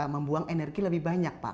membuang energi lebih banyak pak